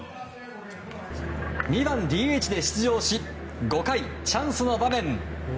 ２番ＤＨで出場し５回、チャンスの場面。